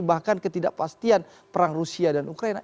bahkan ketidakpastian perang rusia dan ukraina